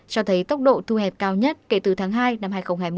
cho thấy tốc độ thu hẹp cao nhất kể từ tháng hai năm hai nghìn hai mươi